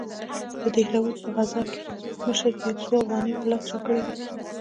د دهراوت په غزا کښې زموږ مشر يو څو اوغانۍ په لاس راکړې وې.